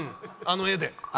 あの絵で。